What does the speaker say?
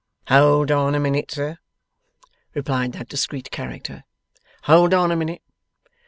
'Hold on a minute, sir,' replied that discreet character; 'hold on a minute.